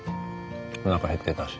おなか減ってたし。